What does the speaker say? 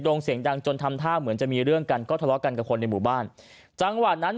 งเสียงดังจนทำท่าเหมือนจะมีเรื่องกันก็ทะเลาะกันกับคนในหมู่บ้านจังหวะนั้น